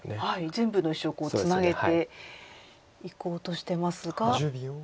全部の石をツナげていこうとしてますが。